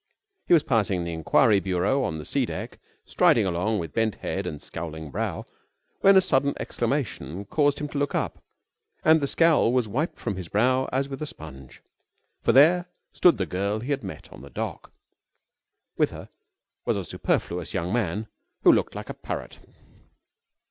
He was passing the Enquiry Bureau on the C Deck, striding along with bent head and scowling brow, when a sudden exclamation caused him to look up, and the scowl was wiped from his brow as with a sponge. For there stood the girl he had met on the dock. With her was a superfluous young man who looked like a parrot.